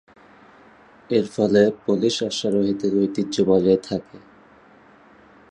এর ফলে পোলিশ অশ্বারোহীদের ঐতিহ্য বজায় থাকে।